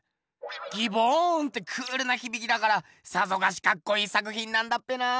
ギボーンってクールなひびきだからさぞかしかっこいい作品なんだっぺな。